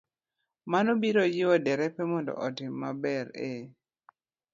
Mano biro jiwo derepe mondo otim maber e